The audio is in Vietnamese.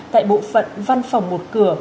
tại bộ phận văn phòng một cửa